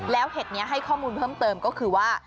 แล้วเหตุนี้ให้ข้อมูลเพิ่มเติมก็คือว่า